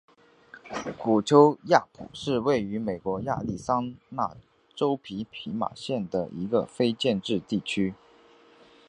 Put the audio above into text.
古丘亚普是位于美国亚利桑那州皮马县的一个非建制地区。